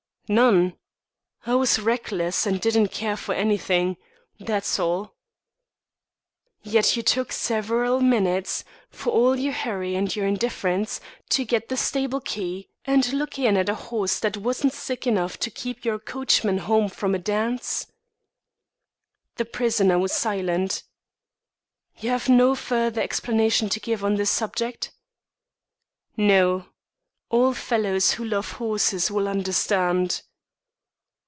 "None. I was reckless, and didn't care for anything that's all." "Yet you took several minutes, for all your hurry and your indifference, to get the stable key and look in at a horse that wasn't sick enough to keep your coachman home from a dance." The prisoner was silent. "You have no further explanation to give on this subject?" "No. All fellows who love horses will understand."